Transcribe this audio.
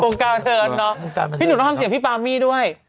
องค์การบันเทิงอ่ะเนอะพี่หนูต้องทำเสียพี่ปามีด้วย